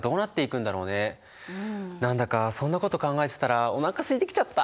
何だかそんなこと考えてたらおなかすいてきちゃった。